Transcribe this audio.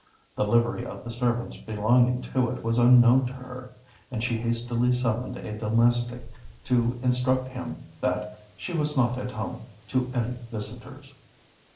The livery of the servants belonging to it was unknown to her; and she hastily summoned a domestic to instruct him that "she was not at home to any visitors."